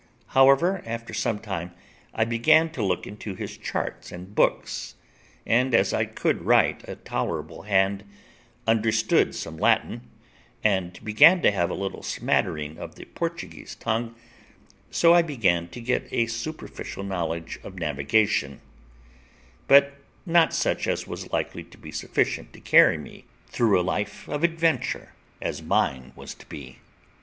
However, after some time, I began to look into his charts and books; and, as I could write a tolerable hand, understood some Latin, and began to have a little smattering of the Portuguese tongue, so I began to get a superficial knowledge of navigation, but not such as was likely to be sufficient to carry me through a life of adventure, as mine was to be.